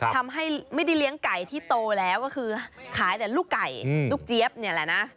ทำให้ไม่ได้เลี้ยงไก่ที่โตแล้วก็คือขายแต่ลูกไก่ลูกเจี๊ยบเนี่ยแหละนะ